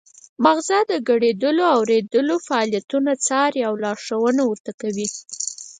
مغزه د ګړیدلو او اوریدلو فعالیتونه څاري او لارښوونه ورته کوي